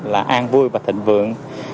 là an vui và thịnh vượng